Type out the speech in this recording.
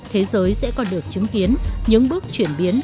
thế giới sẽ còn được chứng kiến những bước chuyển biến